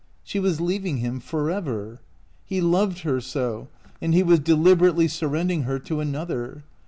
She was leaving him forever. He loved her so, and he was deliberately surrendering her to another.